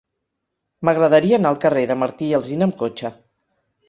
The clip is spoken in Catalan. M'agradaria anar al carrer de Martí i Alsina amb cotxe.